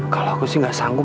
kalau aku sih gak sanggup